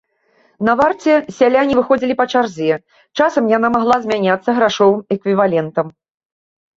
На варце сяляне выходзілі па чарзе, часам яна магла замяняцца грашовым эквівалентам.